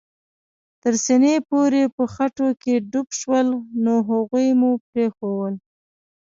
تر سېنې پورې په خټو کې ډوب شول، نو هغوی مو پرېښوول.